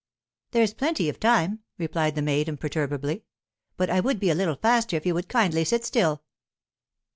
'There's plenty of time,' replied the maid, imperturbably. 'But I would be a little faster if you would kindly sit still.